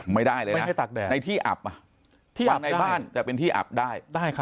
ไม่ได้เลยนะในที่อับฝั่งในบ้านแต่เป็นที่อับได้